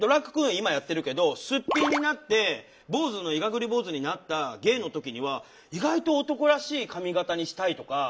今やってるけどすっぴんになって坊主のいがぐり坊主になったゲイの時には意外と男らしい髪形にしたいとか。